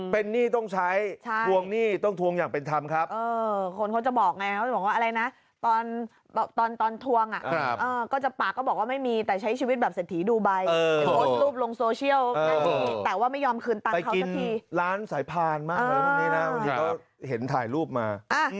เป็นหนี้ต้องใช้ทวงหนี้ต้องทวงอย่างเป็นธรรมครับคนเขาจะบอกไงเขาบอกว่าอะไรนะตอนตอนทวงอ่ะก็จะปากก็บอกว่าไม่มีแต่ใช้ชีวิตแบบเศรษฐีดูใบโพสต์รูปลงโซเชียลนั่นสิแต่ว่าไม่ยอมคืนตังค์เขาสักทีล้านสายพานมากอะไรพวกนี้นะบางทีก็เห็นถ่ายรูปมา